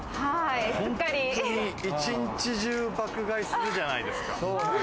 ほんとに１日中、爆買いするじゃないですか。